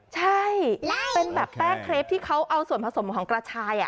ใช่เป็นแบบแป้งเครปที่เขาเอาส่วนผสมของกระชาย